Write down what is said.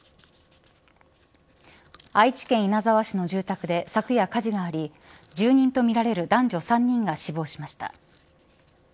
愛知県稲沢市の住宅で昨夜、火事があり住人とみられる男女３人が死亡しました。